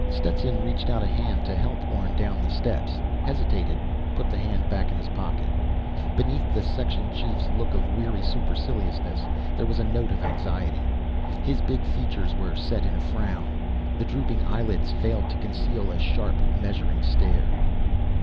Stetson reached out a hand to help Orne down the steps, hesitated, put the hand back in his pocket. Beneath the section chief's look of weary superciliousness there was a note of anxiety. His big features were set in a frown. The drooping eyelids failed to conceal a sharp, measuring stare.